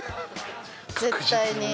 絶対に。